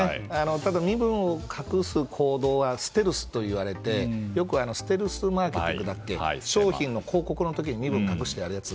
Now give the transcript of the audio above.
ただ身分を隠す行動はステルスといわれてよくステルスマーケティング商品の広告の時に身分を隠して言うやつ。